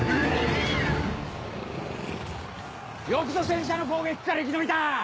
よくぞ戦車の攻撃から生き延びた！